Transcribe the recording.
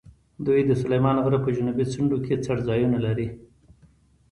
دوی د سلیمان غره په جنوبي څنډو کې څړځایونه لري.